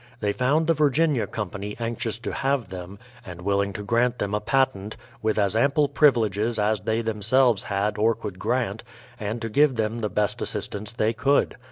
They found the Virginia company anxious to have them, and willing to grant them a patent, with as ample privileges as they themselves had or could grant and to give them the best assistance they could.